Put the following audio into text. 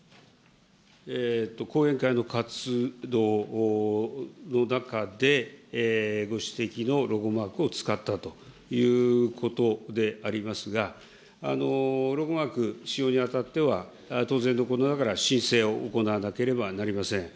後援会の活動の中でご指摘のロゴマークを使ったということでありますが、ロゴマーク使用にあたっては、当然のことながら申請を行わなければなりません。